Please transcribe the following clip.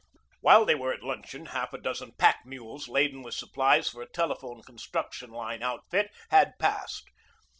While they were at luncheon half a dozen pack mules laden with supplies for a telephone construction line outfit had passed.